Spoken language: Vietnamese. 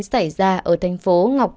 xảy ra ở thành phố ngọc tây